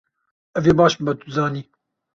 Ev ê baş bibe, tu dizanî.